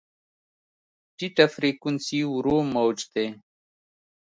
ټیټه فریکونسي ورو موج دی.